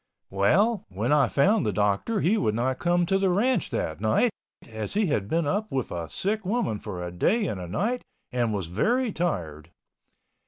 Well, when I found the doctor he would not come to the ranch that night, as he had been up with a sick woman for a day and a night and was very tired.